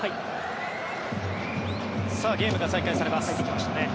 ゲームが再開されます。